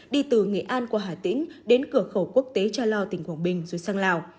đi từ nghệ an qua hà tĩnh đến cửa khẩu quốc tế cha lo tỉnh quảng bình rồi sang lào